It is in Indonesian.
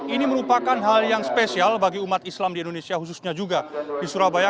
ini merupakan hal yang spesial bagi umat islam di indonesia khususnya juga di surabaya